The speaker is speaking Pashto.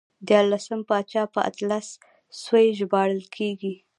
دیارلسم پاچا په اتلس سوی ژباړل کېږي.